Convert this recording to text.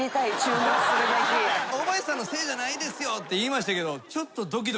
大林さんのせいじゃないですよって言いましたけど。